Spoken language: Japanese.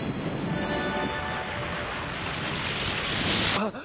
あっ！